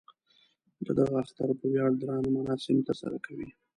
د دغه اختر په ویاړ درانه مراسم تر سره کوي.